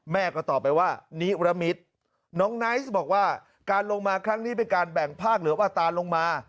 แม่ก็ตอบไปว่านิรมิตน้องไนท์บอกว่าการลงมาครั้งนี้เป็นการแบ่งภาคเหลือว่าตาลงมา